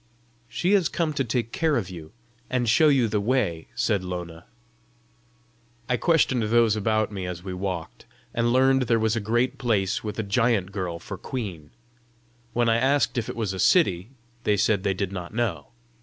"She has come to take care of you, and show you the way," said Lona. I questioned those about me as we walked, and learned there was a great place with a giant girl for queen. When I asked if it was a city, they said they did not know.